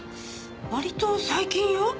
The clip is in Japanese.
割と最近よ。